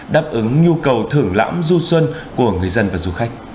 đáp ứng nhu cầu thưởng lãm du xuân của người dân và du khách